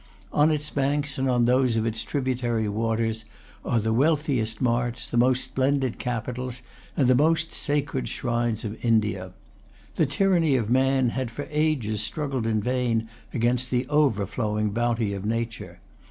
On its banks, and on those of its tributary waters, are the wealthiest marts, the most splendid capitals, and the most sacred shrines of India. The tyranny of man had for ages struggled in vain against the overflowing bounty of nature.